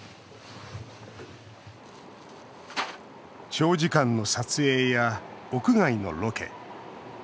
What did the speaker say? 長時間の撮影や屋外のロケ。